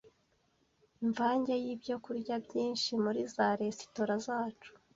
Imvange y’ibyokurya byinshi muri za resitora zacu